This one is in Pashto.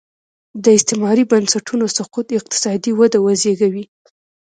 د استعماري بنسټونو سقوط اقتصادي وده وزېږوي.